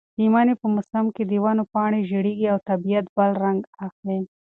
د مني په موسم کې د ونو پاڼې ژېړېږي او طبیعت بل رنګ اخلي.